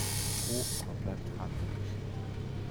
Ho aber bleibt hartnäckig.